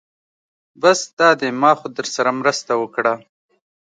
بس دا دی ما خو درسره مرسته وکړه.